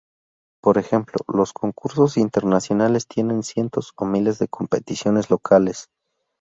Por ejemplo, los concursos internacionales tienen cientos o miles de competiciones locales.